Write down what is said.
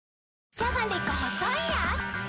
じゃがりこ細いやーつ